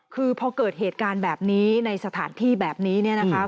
คือพอเกิดเหตุการณ์แบบนี้ในสถานที่แบบนี้เนี่ยนะคะ